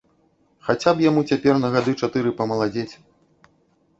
Хаця б яму цяпер на гады чатыры памаладзець.